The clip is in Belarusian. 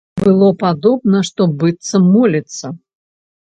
Было падобна, што быццам моліцца.